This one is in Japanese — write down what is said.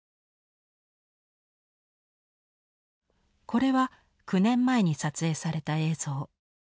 これは９年前に撮影された映像。